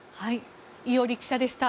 伊従記者でした。